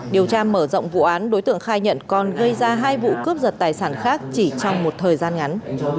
điều tra mở rộng vụ án đối tượng khai nhận còn gây ra hai vụ cướp giật tài sản khác chỉ trong một thời gian ngắn